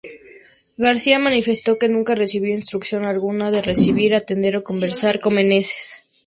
García manifestó que nunca recibió instrucción alguna, de recibir, atender o conversar con Meneses.